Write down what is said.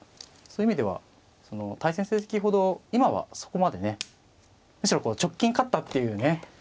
そういう意味では対戦成績ほど今はそこまでねむしろ直近勝ったっていうね。